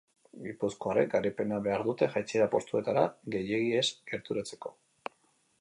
Gipuzkoarrek garaipena behar dute jaitsiera postuetara gehiegi ez gerturatzeko.